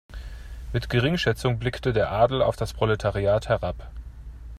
Mit Geringschätzung blickte der Adel auf das Proletariat herab.